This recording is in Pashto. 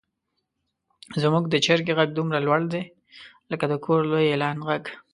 زموږ د چرګې غږ دومره لوړ دی لکه د کوم لوی اعلان غږ.